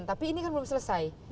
tapi ini kan belum selesai